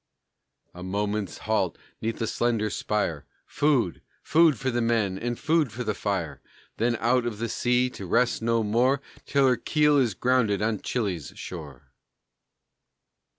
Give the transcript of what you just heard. A moment's halt 'neath the slender spire; Food, food for the men, and food for the fire. Then out to the sea to rest no more Till her keel is grounded on Chili's shore.